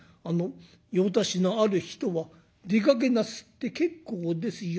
用足しのある人は出かけなすって結構ですよ。